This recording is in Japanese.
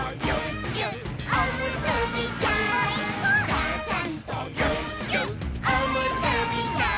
「ちゃちゃんとぎゅっぎゅっおむすびちゃん」